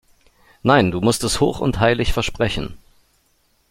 Nein, du musst es hoch und heilig versprechen!